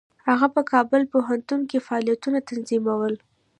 هغه په کابل پوهنتون کې فعالیتونه تنظیمول.